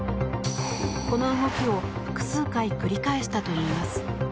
この動きを複数回繰り返したといいます。